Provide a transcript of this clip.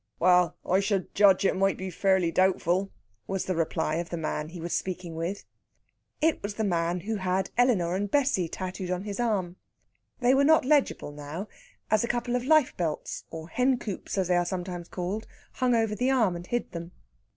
"Well, I should judge it might be fairly doubtful," was the reply of the man he was speaking with. It was the man who had "Elinor" and "Bessie" tattooed on his arm. They were not legible now, as a couple of life belts, or hencoops, as they are sometimes called, hung over the arm and hid them.